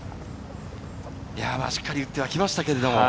しっかり打っては来ましたけれど。